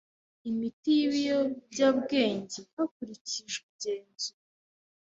Imiti y ibiyobyabwenge hakurikijwe igenzura